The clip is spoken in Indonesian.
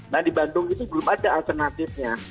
nah di bandung itu belum ada alternatifnya